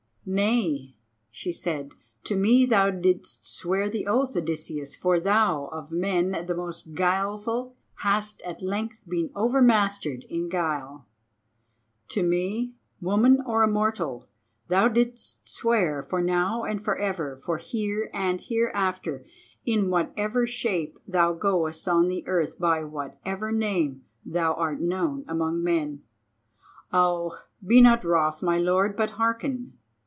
"Nay," she said, "to me thou didst swear the oath, Odysseus, for thou, of men the most guileful, hast at length been over mastered in guile. To me, 'Woman or Immortal,' thou didst swear 'for now and for ever, for here and hereafter, in whatever shape thou goest on the earth, by whatever name thou art known among men.' Oh, be not wroth, my lord, but hearken.